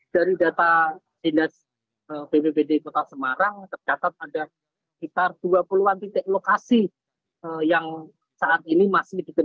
dari data bppb di kota semarang terdapat ada sekitar dua puluh an titik lokasi yang saat ini masih dikawal